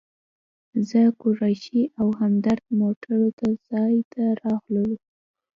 زه، قریشي او همدرد موټرو تم ځای ته راغلو.